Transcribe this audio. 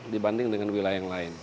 dibanding dengan wilayah yang lain